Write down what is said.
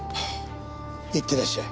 いってらっしゃい。